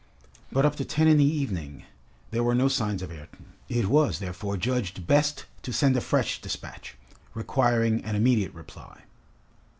But up to ten in the evening, there were no signs of Ayrton. It was, therefore, judged best to send a fresh despatch, requiring an immediate reply.